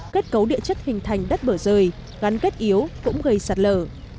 kết cấu địa chất hình thành đất bở rời gắn kết yếu cũng gây sạt lở